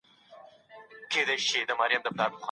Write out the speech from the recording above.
روح الله عرفان عبدالاحد همنوا